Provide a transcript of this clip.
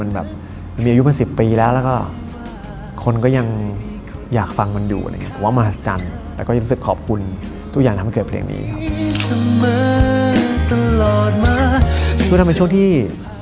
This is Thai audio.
มันแบบมันมียูอายุมาสิบปีแล้วแล้วก็คนก็ยังอยากฟังมันดูอะไรอย่างนี้